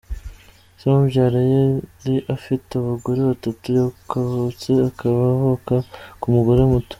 Se umubyara yari afite abagore batatu, Kavutse akaba avuka ku mugore muto.